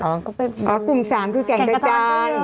อ๋อกลุ่ม๓คือกลุ่มแก่งกระจาย